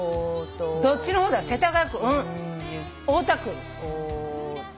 どっちの方だろ世田谷区大田区。